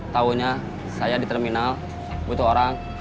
taunya saya di terminal butuh orang